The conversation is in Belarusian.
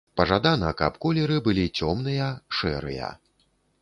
Пажадана, каб колеры былі цёмныя, шэрыя.